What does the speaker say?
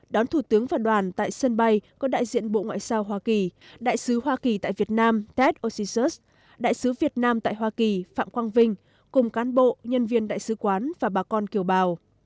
đón thủ tướng và đoàn tại sân bay có đại diện bộ ngoại giao hoa kỳ đại sứ hoa kỳ tại việt nam tet oxysus đại sứ việt nam tại hoa kỳ phạm quang vinh cùng cán bộ nhân viên đại sứ quán và bà con kiều bào